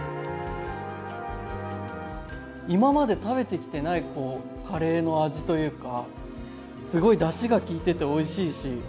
今まで食べてきてないカレーの味というかすごいだしが効いてておいしいし